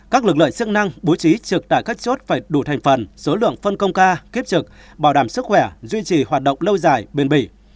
các lực lượng chức năng bố trí trực tại các chốt phải đủ thành phần số lượng phân công ca kiếp trực bảo đảm sức khỏe duy trì hoạt động lâu dài bền bỉ